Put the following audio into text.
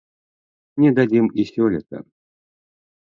Не дадзім і сёлета.